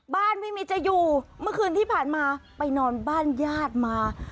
บ้านไม่มีจะอยู่เมื่อคืนที่ผ่านมาไปนอนบ้านญาติมา